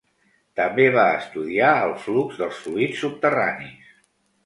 També va estudiar el flux dels fluids subterranis.